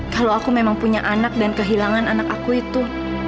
kalau aku memang punya anak dan kehilangan anak aku itu